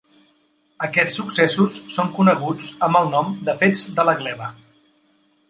Aquests successos són coneguts amb el nom de Fets de la Gleva.